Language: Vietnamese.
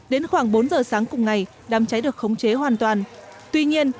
đến khoảng bốn giờ sáng cùng ngày đám cháy được khống chế hoàn toàn tuy nhiên